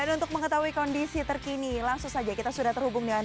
hai dan untuk mengetahui kondisi terkini langsung saja kita sudah terhubung dengan